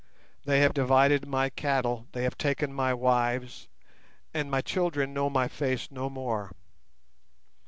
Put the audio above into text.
They have divided my cattle; they have taken my wives; and my children know my face no more.